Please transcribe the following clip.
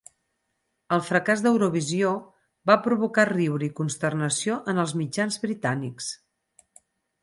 El fracàs d'Eurovisió va provocar riure i consternació en els mitjans britànics.